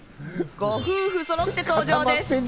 ご夫婦そろって登場です。